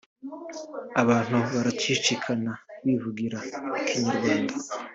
Abantu baracicikana bivugira Ikinyarwanda